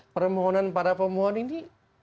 permohonan para pemohon ini